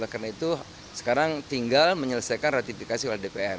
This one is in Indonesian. karena itu sekarang tinggal menyelesaikan ratifikasi oleh dpr